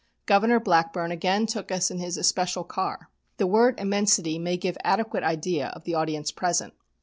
Governor Blackburn again took us in his especial car. The word "immensity" may give adequate idea of the audience present.